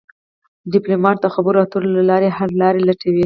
ډيپلومات د خبرو اترو له لارې حل لارې لټوي.